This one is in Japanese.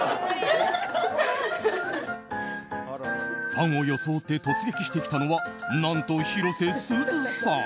ファンを装って突撃してきたのは何と、広瀬すずさん。